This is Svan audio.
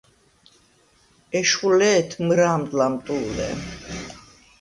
ეშხუ ლე̄თ მჷრა̄მდ ლამტუ̄ლე.